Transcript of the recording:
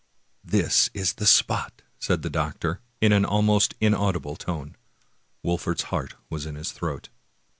" This is the spot! " said the doctor, in an almost inaudi ble tone. Wolfert's heart was in his throat.